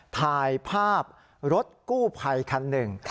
ถ่ายภาพรถกู้ภัยคันหนึ่ง